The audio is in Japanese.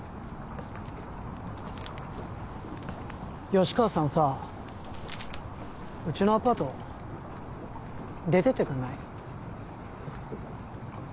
吉川さんさうちのアパート出てってくんない？